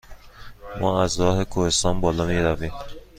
ما از راه کوهستان بالا می رویم؟